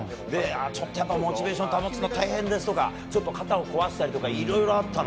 ちょっとモチベーション保つの大変ですとか肩を壊したりとかいろいろあったの。